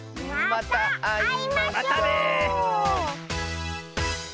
またね！